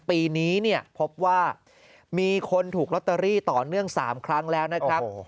ปีนี้เนี่ยพบว่ามีคนถูกลอตเตอรี่ต่อเนื่อง๓ครั้งแล้วนะครับ